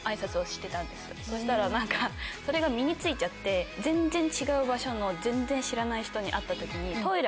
そしたら何かそれが身に付いちゃって全然違う場所の全然知らない人に会った時に。